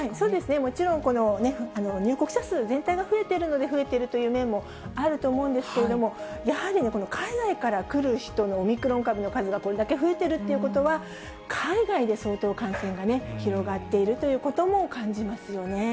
もちろん、この入国者数全体が増えてるので増えてるという面もあると思うんですけれども、やはり、海外から来る人のオミクロン株の数がこれだけ増えているということは、海外で相当感染が広がっているということも感じますよね。